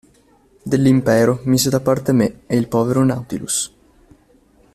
Dell'Impero mise da parte me e il povero Nautilus.